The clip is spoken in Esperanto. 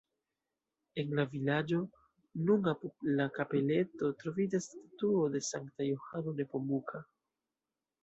En la vilaĝo, nun apud la kapeleto, troviĝas statuo de Sankta Johano Nepomuka.